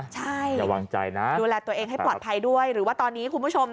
ใช่ระวังใจนะดูแลตัวเองให้ปลอดภัยด้วยหรือว่าตอนนี้คุณผู้ชม